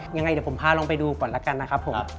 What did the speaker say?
ยังไงเดี๋ยวผมพาลงไปดูก่อนแล้วกันนะครับผม